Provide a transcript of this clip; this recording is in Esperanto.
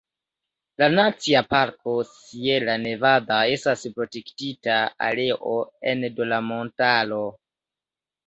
La Nacia Parko Sierra Nevada estas protektita areo ene de la montaro.